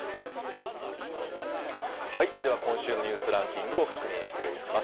では今週のニュースランキングを確認していきます。